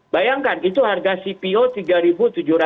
bayangkan itu harga cpo rp tiga tujuh ratus dua puluh lima